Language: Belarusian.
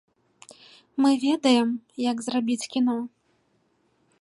Мы ведаем, як зрабіць кіно.